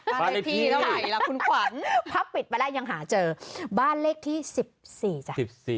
บ้านเลขที่เท่าไหร่ล่ะคุณขวัญถ้าปิดไปแล้วยังหาเจอบ้านเลขที่๑๔จ้ะ